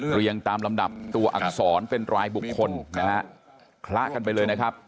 เรียงตามลำดับตัวอักษรเป็นรายบุคคลนะฮะคละกันไปเลยนะครับ